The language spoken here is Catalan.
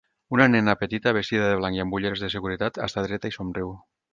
Una nena petita, vestida de blanc i amb ulleres de seguretat, està dreta i somriu.